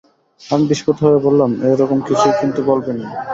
আমি বিস্মিত হয়ে বললাম, এ-রকম কিছুই কিন্তু গল্পে নেই।